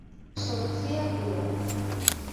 Zortziak dira.